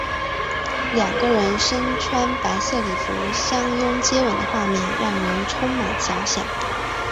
两人身穿白色礼服相拥接吻的画面让人充满遐想。